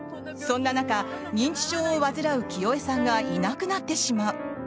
そんな中、認知症を患う清江さんがいなくなってしまう。